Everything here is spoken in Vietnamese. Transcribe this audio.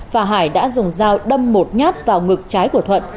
và hải đã dùng dao đâm một nhát vào ngực trái của thuận